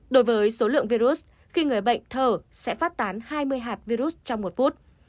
đối với số lượng virus khi người bệnh thở sẽ phát tán hai mươi hạt virus trong một phút